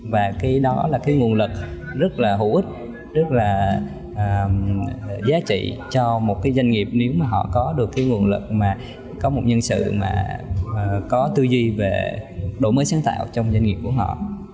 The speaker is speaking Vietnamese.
và đó là nguồn lực rất là hữu ích rất là giá trị cho một doanh nghiệp nếu họ có được nguồn lực có một nhân sự có tư duy về đổi mới sáng tạo trong doanh nghiệp của họ